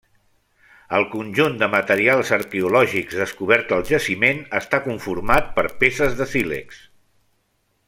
El conjunt de materials arqueològics descobert al jaciment està conformat per peces de sílex.